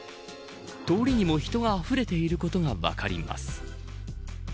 通りにも人があふれていることが分かります。